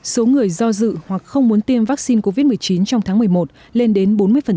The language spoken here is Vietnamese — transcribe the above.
số người do dự hoặc không muốn tiêm vaccine covid một mươi chín trong tháng một mươi một lên đến bốn mươi